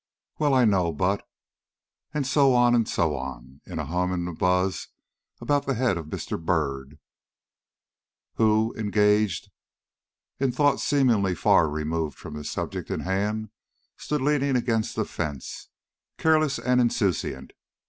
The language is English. "Well, I know, but " And so on and so on, in a hum and a buzz about the head of Mr. Byrd, who, engaged in thought seemingly far removed from the subject in hand, stood leaning against the fence, careless and insouciant.